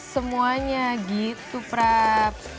semuanya gitu prap